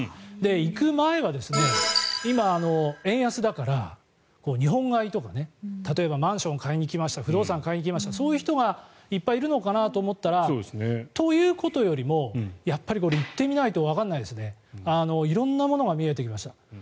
行く前は今、円安だから日本買いとか例えばマンションを買いに来ました不動産を買いに来ましたそういう人がいっぱいいるのかなと思ったらということよりもやっぱりこれは行ってみないとわからないですね色んなものが見えてきました。